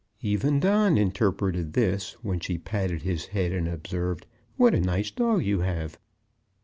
Even Don interpreted this when she patted his head and observed: "What a nice dog you have!"